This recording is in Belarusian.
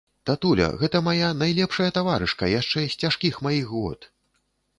Татуля, гэта мая найлепшая таварышка яшчэ з цяжкіх маіх год.